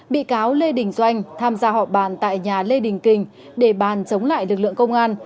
bị cáo lê đình doanh tham gia họp bàn tại nhà lê đình kình để bàn chống lại lực lượng công an